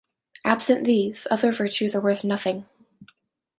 Absent these, other virtues are worth nothing.